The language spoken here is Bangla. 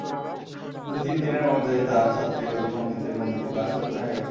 দুই-তিন দিনের মধ্যেই তাহার ছাত্রীর দল কমিতে কমিতে ক্লাস শূন্য হইয়া গেল।